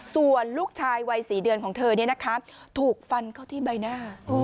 ส่วนลูกชายวัย๔เดือนของเธอถูกฟันเข้าที่ใบหน้า